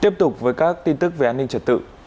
tiếp tục với các tin tức về an ninh trật tự